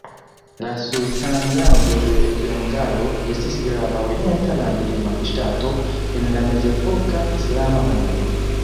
La Sultanlando de Bengalo estis grava orienta landlima ŝtato en la mezepoka Islama mondo.